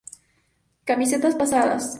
Camisetas Pasadas